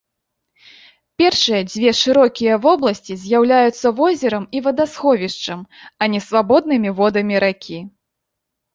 Першыя дзве шырокія вобласці з'яўляюцца возерам і вадасховішчам, а не свабоднымі водамі ракі.